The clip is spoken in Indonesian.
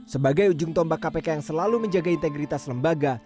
sebagai ujung tombak kpk yang selalu menjaga integritas lembaga